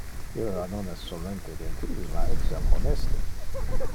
Illa non es solmente gentil, ma etiam honeste.